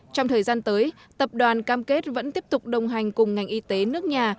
trong thời gian tới tập đoàn cam kết vẫn tiếp tục đồng hành cùng ngành y tế nước nhà